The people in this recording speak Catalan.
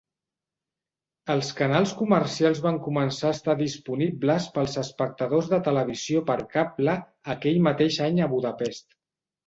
Els canals comercials van començar a estar disponibles pels espectadors de televisió per cable aquell mateix any a Budapest.